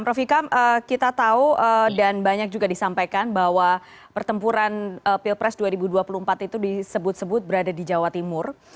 prof ikam kita tahu dan banyak juga disampaikan bahwa pertempuran pilpres dua ribu dua puluh empat itu disebut sebut berada di jawa timur